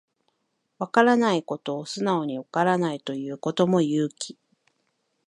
わからないことを素直にわからないと言うことも勇気